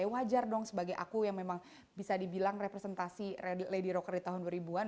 wajar dong sebagai aku yang memang bisa dibilang representasi lady rocker di tahun dua ribu an